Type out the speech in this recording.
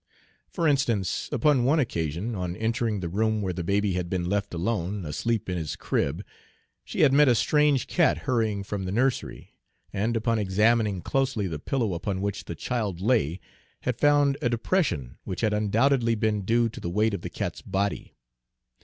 For instance, upon one occasion, on entering the room where the baby had been left alone, asleep in his crib, she had met a strange cat hurrying from the nursery, and, upon examining closely the pillow upon which the child lay, had found a depression which had undoubtedly been due to the weight of the cat's body.